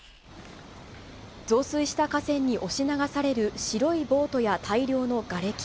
増水した河川に押し流される白いボートや大量のがれき。